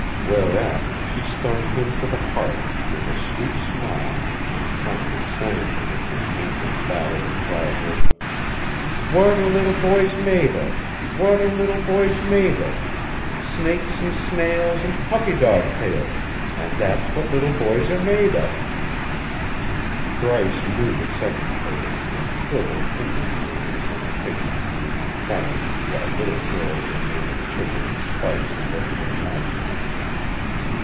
Whereat she stung him to the heart with a sweet smile and promptly sang for him this ancient ballad of childhood: "What are little boys made of? What are little boys made of? Snakes and snails, And puppy dog's tails, And that's what little boys are made of." Bryce knew the second verse and shrivelled inwardly in anticipation of being informed that little girls are made of sugar and spice and everything nice.